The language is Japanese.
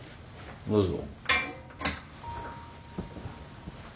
どうぞ。